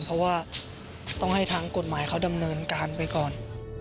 เพราะว่าต้องให้ทางกฎหมายเขาดำเนินการไปก่อน